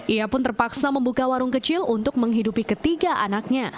ia pun terpaksa membuka warung kecil untuk menghidupi ketiga anaknya